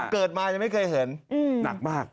เกิดมายังไม่เคยเห็นหนักมาก